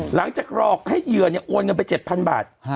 หลังจากรอกให้เหยื่อเนี่ยโอนกันไป๗๐๐๐บาท